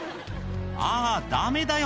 あぁダメだよ